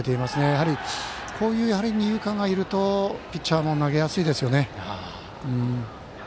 やはり、こういう二遊間がいるとピッチャーも投げやすいですよね。